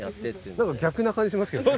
なんか逆な感じしますけどね。